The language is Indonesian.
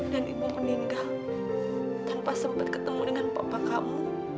dan ibu meninggal tanpa sempat ketemu dengan papa kamu